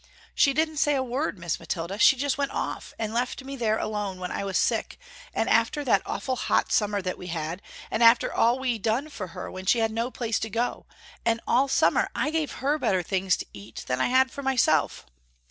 She didn't say a word, Miss Mathilda, she just went off and left me there alone when I was sick after that awful hot summer that we had, and after all we done for her when she had no place to go, and all summer I gave her better things to eat than I had for myself.